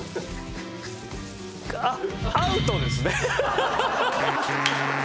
あっアウトですね。